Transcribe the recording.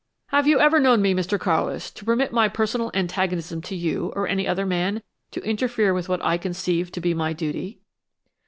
"Have you ever known me, Mr. Carlis, to permit my personal antagonism to you or any other man to interfere with what I conceive to be my duty?"